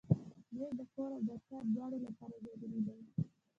مېز د کور او دفتر دواړو لپاره ضروري دی.